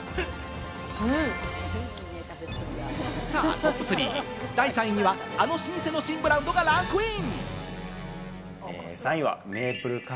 トップ３、第３位にはあの老舗の新ブランドがランクイン！